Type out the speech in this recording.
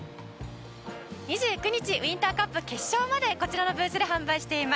２９日ウインターカップ決勝までこちらのブースで販売しています。